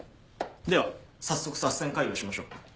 では早速作戦会議をしましょう。